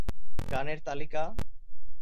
গানের তালিকাঃ